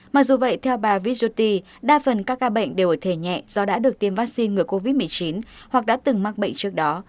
mặc dù vậy theo bà vishuti đa phần các ca bệnh đều ở thể nhẹ do đã được tiêm vaccine ngừa covid một mươi chín hoặc đã từng mắc bệnh trước đó